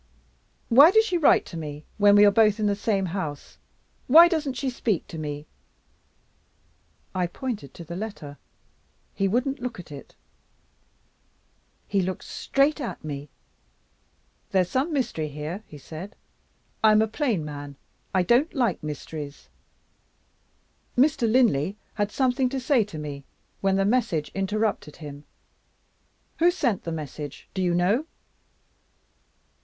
'Why does she write to me when we are both in the same house? Why doesn't she speak to me?' I pointed to the letter. He wouldn't look at it; he looked straight at me. 'There's some mystery here,' he said; 'I'm a plain man, I don't like mysteries. Mr. Linley had something to say to me, when the message interrupted him. Who sent the message? Do you know?